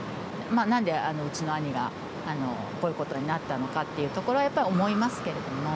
なんでうちの兄がこういうことになったのかっていうところは、やっぱ思いますけれども。